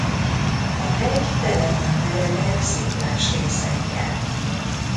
A hegy tele van meredek sziklás részekkel.